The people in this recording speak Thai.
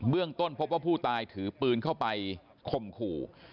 ต้นพบว่าผู้ตายถือปืนเข้าไปคมขู่